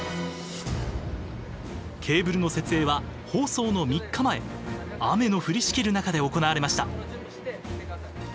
ケーブルの設営は、放送の３日前雨の降りしきる中で行われました。